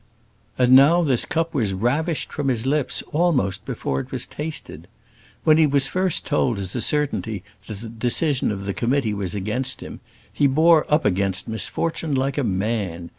And now this cup was ravished from his lips, almost before it was tasted. When he was first told as a certainty that the decision of the committee was against him, he bore up against the misfortune like a man.